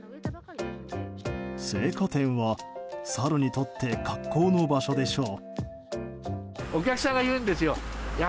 青果店は、サルにとって格好の場所でしょう。